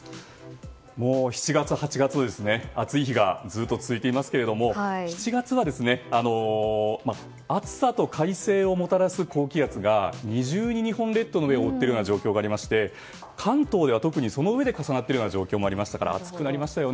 ７月、８月と暑い日がずっと続いていますけど７月は暑さと快晴をもたらす高気圧が二重に日本列島の上を覆っている状況でして関東ではそのうえで重なっている状況がありましたから暑くなりました。